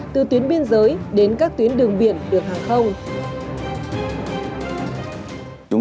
từ tuyến biên giới đến các tuyến đường biển đường hàng không